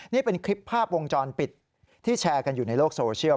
นี่เป็นคลิปภาพวงจรปิดที่แชร์กันอยู่ในโลกโซเชียล